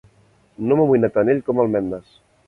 No m'amoïna tant ell com el Mendes.